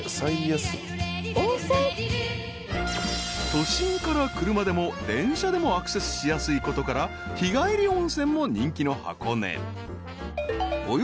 ［都心から車でも電車でもアクセスしやすいことから日帰り温泉も人気の箱根］